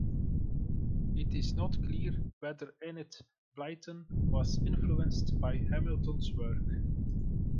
It is not clear whether Enid Blyton was influenced by Hamilton's work.